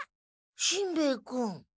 しんべヱ君。